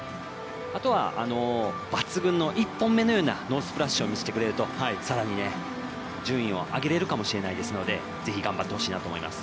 あとは抜群の１本目のようなノースプラッシュを見せてくれると更に順位を上げられるかもしれないですのでぜひ頑張ってほしいなと思います。